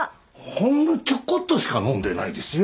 ほんのちょこっとしか飲んでないですよ。